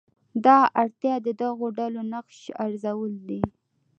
دا اړتیا د دغو ډلو نقش ارزول دي.